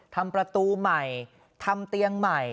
ทำประตูใหม่ทำเตียงใหม่